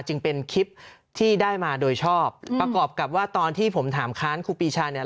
จึงเป็นคลิปที่ได้มาโดยชอบประกอบกับว่าตอนที่ผมถามค้านครูปีชาเนี่ย